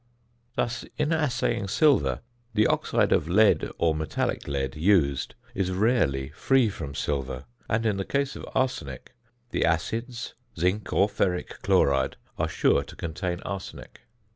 Thus, in assaying silver, the oxide of lead or metallic lead used is rarely free from silver; and in the case of arsenic, the acids, zinc or ferric chloride are sure to contain arsenic.